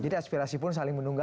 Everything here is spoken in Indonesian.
aspirasi pun saling menunggang